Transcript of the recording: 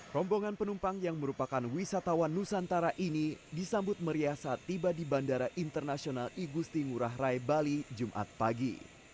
rombongan penumpang yang merupakan wisatawan nusantara ini disambut meriah saat tiba di bandara internasional igusti ngurah rai bali jumat pagi